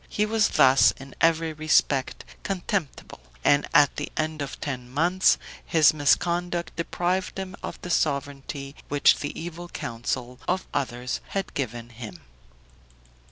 He was thus in every respect contemptible; and at the end of ten months, his misconduct deprived him of the sovereignty which the evil counsel of others had given him.